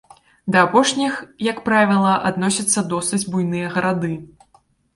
Да апошніх як правіла адносяцца досыць буйныя гарады.